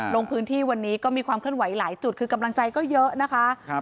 ลงพื้นที่วันนี้ก็มีความเคลื่อนไหวหลายจุดคือกำลังใจก็เยอะนะคะ